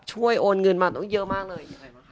ช่วยโอนเงินมาเยอะมากเลย